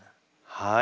はい！